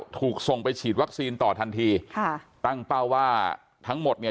ถูกส่งไปฉีดวัคซีนต่อทันทีค่ะตั้งเป้าว่าทั้งหมดเนี่ย